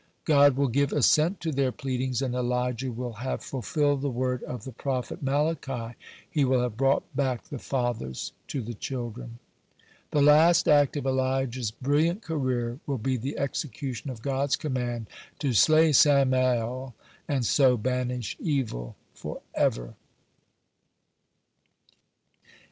God will give assent to their pleadings, and Elijah will have fulfilled the word of the prophet Malachi; he will have brought back the fathers to the children. (118) The last act of Elijah's brilliant career will be the execution of God's command to slay Samael, and so banish evil forever.